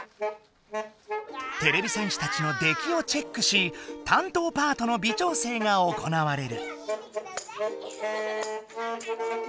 てれび戦士たちの出来をチェックし担当パートのびちょうせいが行われる。